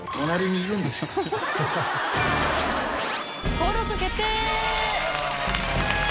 登録決定！